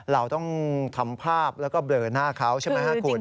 เราต้องทำภาพแล้วก็เบลอหน้าเขาใช่ไหมครับคุณ